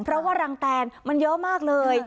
เพราะว่ารังแตนมันเยอะมากเลย